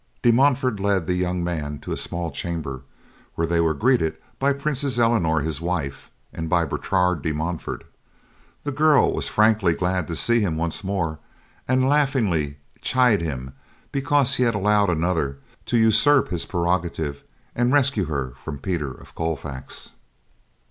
De Montfort led the young man to a small chamber where they were greeted by Princess Eleanor, his wife, and by Bertrade de Montfort. The girl was frankly glad to see him once more and laughingly chide him because he had allowed another to usurp his prerogative and rescue her from Peter of Colfax.